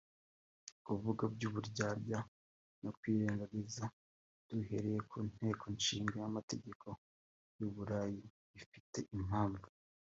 Kuvuga iby’uburyarya no kwirengagiza duhereye ku Nteko Ishinga Amategeko y’u Burayi bifite impamvu